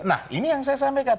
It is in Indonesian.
nah ini yang saya sampaikan